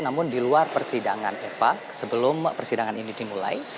namun di luar persidangan eva sebelum persidangan ini dimulai